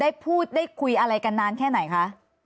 ได้พูดได้คุยอะไรกันนานแค่ไหนคะ